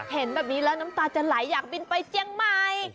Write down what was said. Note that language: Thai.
เห็นแบบนี้แล้วน้ำตาจะไหลอยากบินไปเจียงใหม่